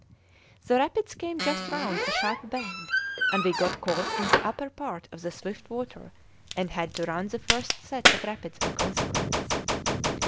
The rapids came just round a sharp bend, and we got caught in the upper part of the swift water and had to run the first set of rapids in consequence.